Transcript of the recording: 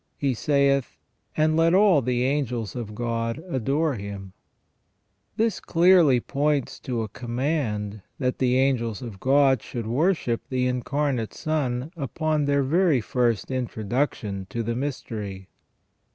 He saith. And let all the angels of God adore Him ". This clearly points to a command that the angels of God should worship the Incarnate Son upon their very first introduction to the mystery.